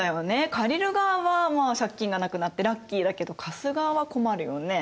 借りる側はまあ借金がなくなってラッキーだけど貸す側は困るよね。